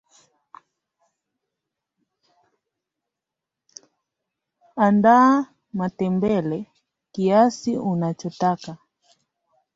Andaa matembele kiasi unachotaka